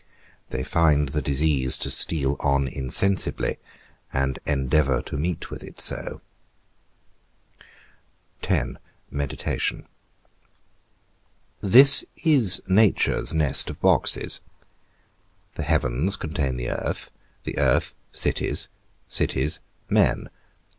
They find the disease to steal on insensibly, and endeavour to meet with it so. X. MEDITATION. This is nature's nest of boxes: the heavens contain the earth; the earth, cities; cities, men.